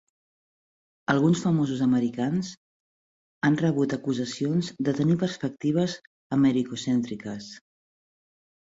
Alguns famosos americans ha rebut acusacions de tenir perspectives americocèntriques.